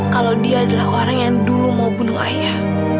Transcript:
kalau dia adalah orang yang dulu mau bunuh ayah